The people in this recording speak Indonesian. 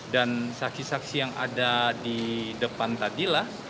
dan saksi saksi yang ada di depan tadilah